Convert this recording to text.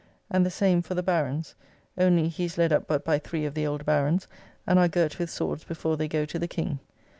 And the same for the Barons, only he is led up but by three of the old Barons, and are girt with swords before they go to the King.